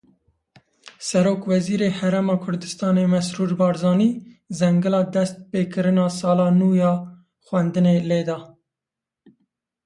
Serokwezîrê Herêma Kurdistanê Mesrûr Barzanî zengila dest pêkirina sala nû ya xwendinê lêda.